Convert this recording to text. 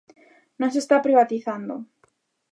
Non se está privatizando.